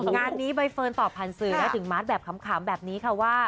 งานนี้ใบเฟิร์นตอบผ่านสื่อถึงมาร์ทแบบขำแบบนี้ค่ะว่า